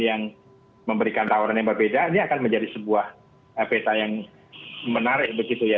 yang memberikan tawaran yang berbeda ini akan menjadi sebuah peta yang menarik begitu ya